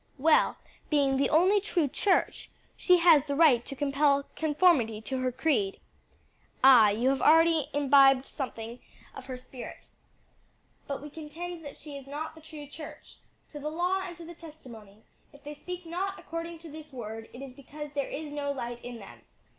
"Well, being the only true church, she has the right to compel conformity to her creed." "Ah, you have already imbibed something of her spirit. But we contend that she is not the true church. 'To the law and to the testimony; if they speak not according to this word, it is because there is no light in them.'